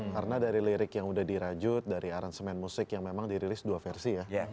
karena dari lirik yang udah dirajut dari aransemen musik yang memang dirilis dua versi ya